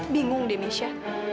bingung deh misha